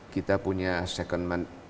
kita punya second